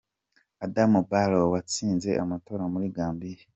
Adama Barrow, watsinze amatora muri Gambiya